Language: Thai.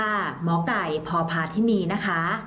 สวัสดีค่ะหมอไก่พอพาที่นี่นะคะ